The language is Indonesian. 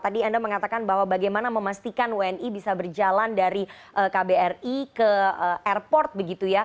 tadi anda mengatakan bahwa bagaimana memastikan wni bisa berjalan dari kbri